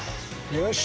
よし！